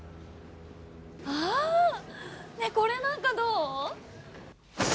あぁねえこれなんかどう？